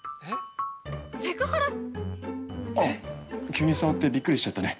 あっ、急に触わってびっくりしちゃったね。